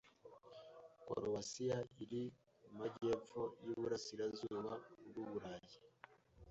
Korowasiya iri mu majyepfo y’iburasirazuba bw’Uburayi.